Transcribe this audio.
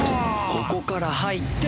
ここから入って。